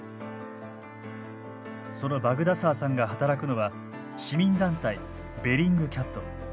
そのバグダサーさんが働くのは市民団体べリングキャット。